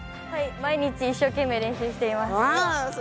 毎日一生懸命練習しています。